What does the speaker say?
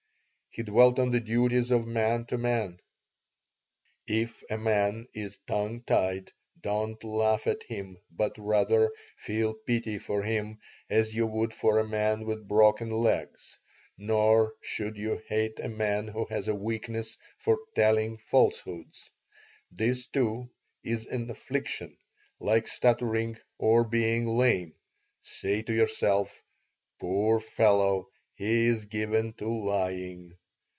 He dwelt on the duties of man to man. "If a man is tongue tied, don't laugh at him, but, rather, feel pity for him, as you would for a man with broken legs. Nor should you hate a man who has a weakness for telling falsehoods. This, too, is an affliction, like stuttering or being lame. Say to yourself, 'Poor fellow, he is given to lying.'